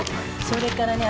それからね